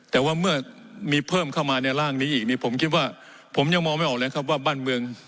แต่ว่าเมื่อมีเพิ่มเข้ามาในร่างนี้อีกนี่ผมคิดว่าผมยังมองไม่ออกเลยครับว่าบ้านเมือง